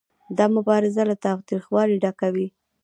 دا مبارزه له تاوتریخوالي ډکه وي